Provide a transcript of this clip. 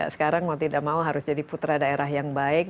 sekarang mau tidak mau harus jadi putra daerah yang baik